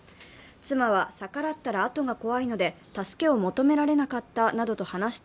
妻は逆らったらあとが怖いので、助けを求められなかったなどと話し